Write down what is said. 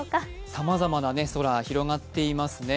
さまざまな空広がっていますね。